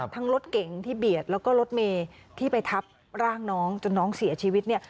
รถเก๋งที่เบียดแล้วก็รถเมย์ที่ไปทับร่างน้องจนน้องเสียชีวิตเนี่ย